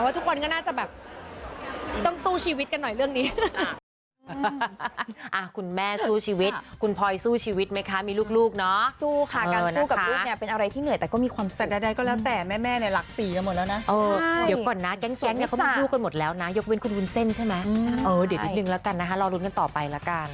ทุกคนก็น่าจะแบบต้องสู้ชีวิตกันหน่อยเรื่องนี้